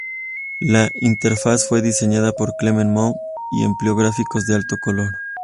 La interfaz fue diseñada por Clement Mok y empleó gráficos de alto color.